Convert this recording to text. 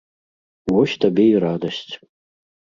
Вось табе і радасць.